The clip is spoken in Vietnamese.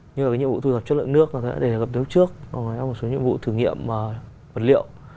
như là cái nhiệm vụ thu dập chất lượng nước để gập tiếu trước và một số nhiệm vụ thử nghiệm vật liệu